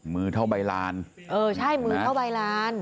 มือเท่าใบลานเออใช่มือเท่าใบลาน